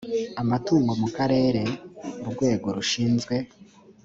amatugo mu karere urwego rushinzwe